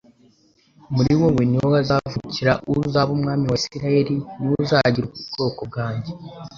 muri wowe ni ho hazavukira uzaba umwami wa Isirayeli ni we uzaragira ubwoko bwanjye."